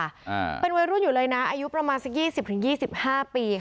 อ่าเป็นวัยรุ่นอยู่เลยนะอายุประมาณสักยี่สิบถึงยี่สิบห้าปีค่ะ